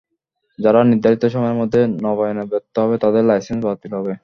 যারা নির্ধারিত সময়ের মধ্যে নবায়নে ব্যর্থ হবে তাদের লাইসেন্স বাতিল হবে।